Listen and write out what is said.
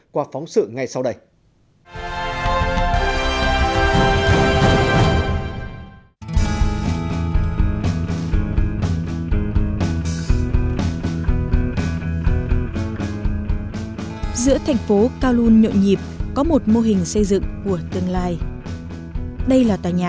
qua phóng sự ngay sau đây